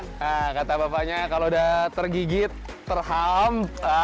nah kata bapaknya kalau udah tergigit terham